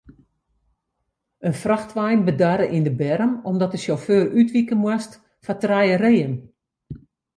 In frachtwein bedarre yn de berm omdat de sjauffeur útwike moast foar trije reeën.